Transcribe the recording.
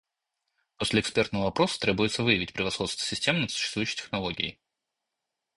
После экспертного опроса требуется выявить превосходство системы над существующей технологией